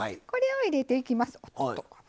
これを入れていきます。